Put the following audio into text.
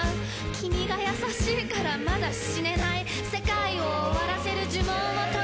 「きみが優しいからまだ死ねない」「せかいを終わらせる呪文を唱えて」